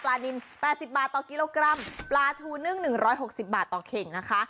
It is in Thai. นิน๘๐บาทต่อกิโลกรัมปลาทูนึ่ง๑๖๐บาทต่อเข่งนะคะ